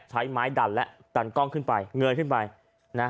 ใช้ไม้ดันและดันกล้องขึ้นไปเงยขึ้นไปนะ